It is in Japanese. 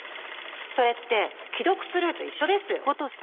それって既読スルーと一緒ですよ！